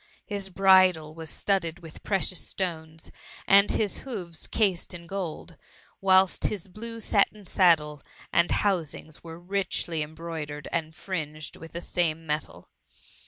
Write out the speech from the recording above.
His bridle was studded wit^ precious stones, and his hoofs cased in gold ; whilst his blue satin saddle and housings were richly embroidered and fringed with the same metal.